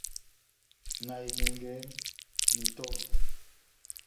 Na enyɛngɛ, na itɔndi.